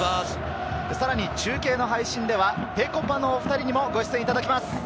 中継の配信では、ぺこぱのお２人にもご出演いただきます。